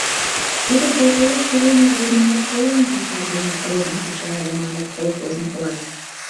Тудо колхозышто улмыж годымат поян кашак дене родым куча ыле, — маныт колхозник-влак.